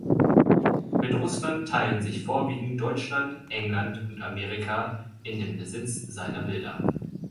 Mit Russland teilen sich vorwiegend Deutschland, England und Amerika in dem Besitz seiner Bilder“.